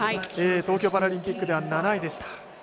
東京パラリンピックでは７位でした。